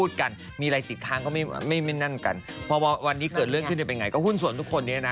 นั้นนิงก็นั่นแค่ฟาดออกไปคนเดียว